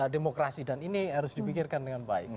demokrasi dan ini harus dipikirkan dengan baik